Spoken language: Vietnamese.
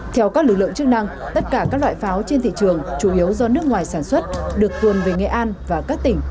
theo các lực lượng chức năng tất cả các loại pháo trên thị trường chủ yếu do nước ngoài sản xuất được tuồn về nghệ an và các tỉnh